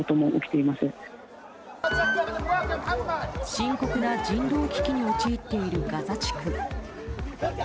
深刻な人道危機に陥っているガザ地区。